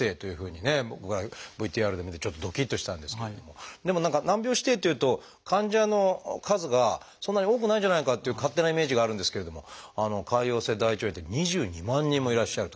僕らＶＴＲで見てちょっとどきっとしたんですけれどもでも何か難病指定っていうと患者の数がそんなに多くないんじゃないかっていう勝手なイメージがあるんですけれども潰瘍性大腸炎って２２万人もいらっしゃる。